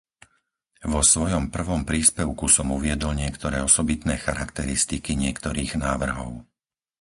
Vo svojom prvom príspevku som uviedol niektoré osobitné charakteristiky niektorých návrhov.